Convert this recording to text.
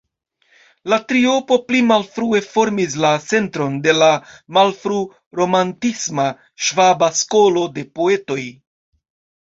La triopo pli malfrue formis la centron de la malfru-romantisma "Ŝvaba Skolo" de poetoj.